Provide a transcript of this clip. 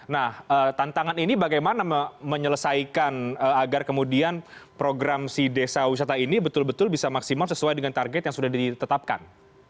nah tantangan ini bagaimana menyelesaikan agar kemudian program si desa wisata ini betul betul bisa maksimal sesuai dengan target yang sudah ditetapkan